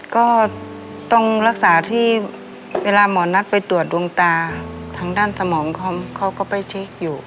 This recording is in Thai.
ก็ต้องรักษาที่เวลาหมอนัดไปตรวจดวงตาทางด้านสมองเขาก็ไปเช็คอยู่